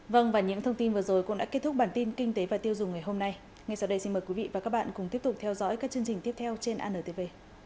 vâng và những thông tin vừa rồi cũng đã kết thúc bản tin kinh tế và tiêu dùng ngày hôm nay ngay sau đây xin mời quý vị và các bạn cùng tiếp tục theo dõi các chương trình tiếp theo trên antv